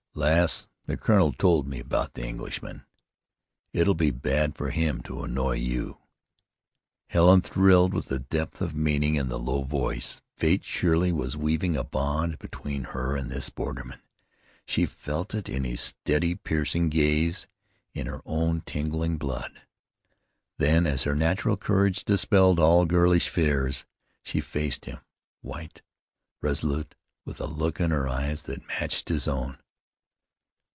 "Lass, the colonel told me about the Englishman. It'll be bad for him to annoy you." Helen thrilled with the depth of meaning in the low voice. Fate surely was weaving a bond between her and this borderman. She felt it in his steady, piercing gaze; in her own tingling blood. Then as her natural courage dispelled all girlish fears, she faced him, white, resolute, with a look in her eyes that matched his own.